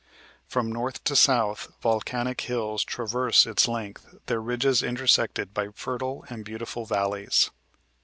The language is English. From north to south volcanic hills traverse its length, their ridges intersected by fertile and beautiful valleys.